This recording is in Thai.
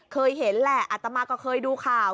เคยเห็นแหละอัตมาก็เคยดูข่าว